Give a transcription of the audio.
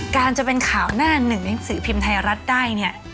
การจะเป็นข่าวหน้าหนึ่งในภิมธ์ไทรรัฐได้เนี่ย